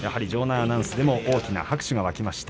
アナウンスでも大きな拍手が沸きました。